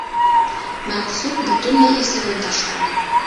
Мәҡсүт бөтөнләй әсеүен ташланы.